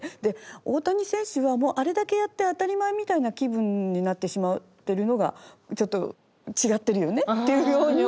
大谷選手はもうあれだけやって当たり前みたいな気分になってしまってるのがちょっと違ってるよねっていうように思いました。